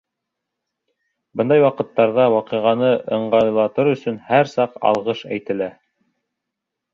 Бындай ваҡыттарҙа ваҡиғаны ыңғайлатыр өсөн һәр саҡ алғыш әйтелә.